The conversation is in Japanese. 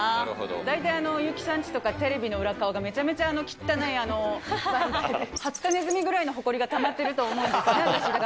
大体、優木さんちとか、テレビの裏側がめちゃめちゃ汚い、ハツカネズミぐらいのほこりがたまってると思うんです。